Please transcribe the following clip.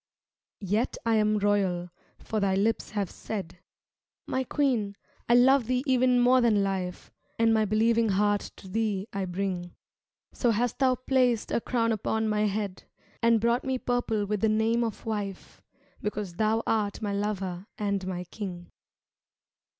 Yet I am royal, for thy lips have said :" My queen, I love thee even more than life, And my believing heart to thee I bring." So hast thou placed a crown upon my head And brought me purple with the name of wife, Because thou art my lover and my king.